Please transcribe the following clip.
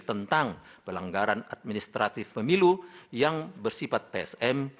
tentang pelanggaran administratif pemilu yang bersifat tsm